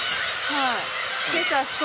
はい。